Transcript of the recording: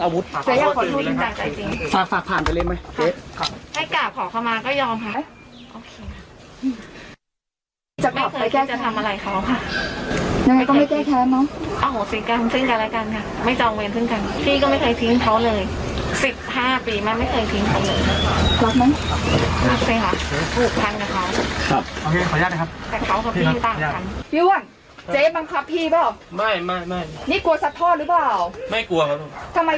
อ้าวสิกรรมซึ่งกันและกันค่ะไม่จองเวรซึ่งกัน